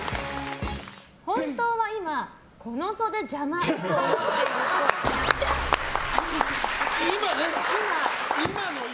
本当は今この袖、邪魔？と思ってるっぽい。